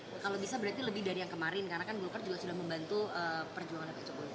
kalau bisa berarti lebih dari yang kemarin karena kan golkar juga sudah membantu perjuangannya pak jokowi